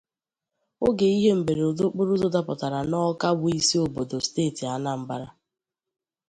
oge ihe mberede okporoụzọ dapụtara n'Awka bụ isi obodo steeti Anambra.